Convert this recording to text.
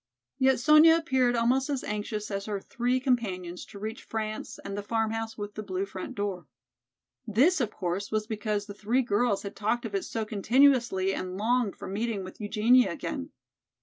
Yet Sonya appeared almost as anxious as her three companions to reach France and the "Farmhouse with the Blue Front Door." This, of course, was because the three girls had talked of it so continuously and the longed for meeting with Eugenia again.